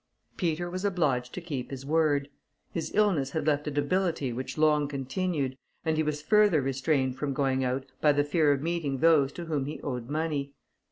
Peter was obliged to keep his word. His illness had left a debility which long continued, and he was further restrained from going out by the fear of meeting those to whom he owed money.